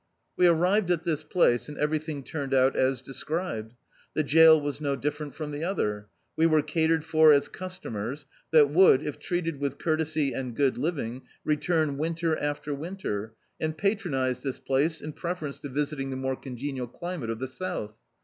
We arrived at this place, and everything turned out as described. The jail was no different from the other. We were catered for as customers that would, if treated with courtesy and good living, re turn winter after winter, and patronise this place in preference to visiting the more congenial climate of the south.